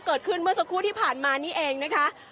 เกิดขึ้นเมื่อสักครู่ที่ผ่านมานี่เองนะคะ